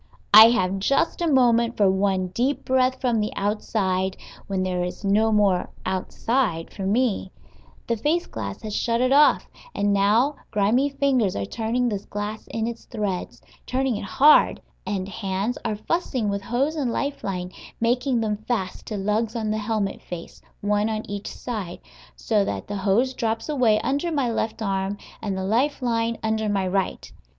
I have just a moment for one deep breath from the outside, when there is no more "outside" for me; the face glass has shut it off, and now grimy fingers are turning this glass in its threads, turning it hard, and hands are fussing with hose and life line, making them fast to lugs on the helmet face, one on each side, so that the hose drops away under my left arm, and the life line under my right.